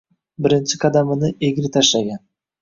Birinchi qadamini egri tashlagan